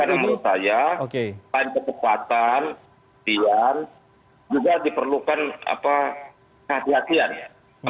karena menurut saya lain kekuatan pilihan juga diperlukan hati hatian ya